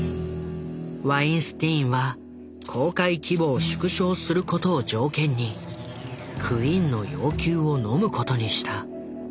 ワインスティーンは公開規模を縮小することを条件にクインの要求をのむことにした。